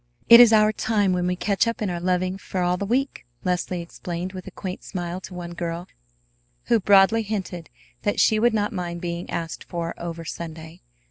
"It is our time when we catch up in our loving for all the week," Leslie explained with a quaint smile to one girl who broadly hinted that she would not mind being asked for over Sunday.